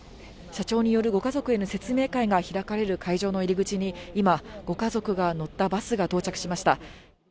社長によるご家族への説明会が開かれる会場の入り口に、今、ご家族が乗ったバスが到着しました。